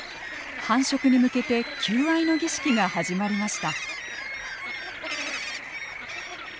繁殖に向けて求愛の儀式が始まりました。